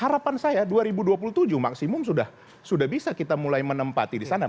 harapan saya dua ribu dua puluh tujuh maksimum sudah bisa kita mulai menempati di sana